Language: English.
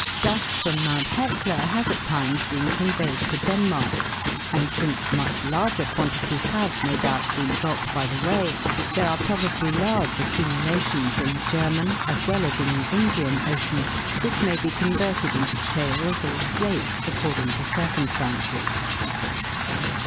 Dust from Mount Hecla has at times been con veyed to Denmark, and since much larger quantities have, no doubt, been dropped by the way, there are probably large accumulations in the German, as well as in the Indian, Ocean, which may be converted into shales or slates according to circumstances.